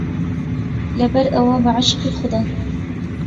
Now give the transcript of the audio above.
لەبەرئەوە بەعشقی خودا